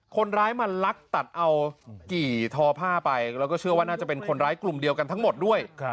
คนร้ายมาลักตัดเอากี่ทอผ้าไปแล้วก็เชื่อว่าน่าจะเป็นคนร้ายกลุ่มเดียวกันทั้งหมดด้วย